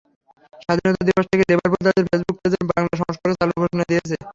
স্বাধীনতা দিবস থেকে লিভারপুল তাদের ফেসবুক পেজের বাংলা সংস্করণও চালুর ঘোষণা দিয়েছে।